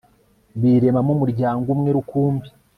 biremamo umuryango umwe rukumbi